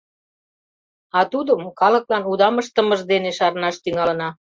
А тудым калыклан удам ыштымыж дене шарнаш тӱҥалына.